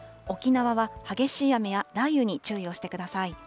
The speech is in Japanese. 沖縄は激しい雨や雷雨に注意をしてください。